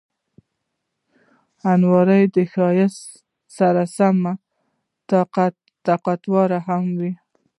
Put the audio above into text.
الماري د ښایست سره سم طاقتور هم وي